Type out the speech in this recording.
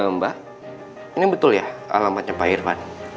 mbak ini betul ya alamatnya pak irfan